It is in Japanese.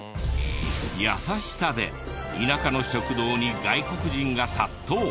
優しさで田舎の食堂に外国人が殺到。